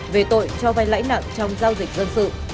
về tội cho vay lãi nặng trong giao dịch dân sự